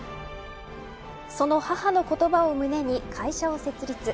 その母の言葉を胸に会社を設立。